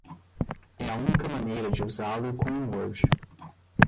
É a única maneira de usá-lo com o Word.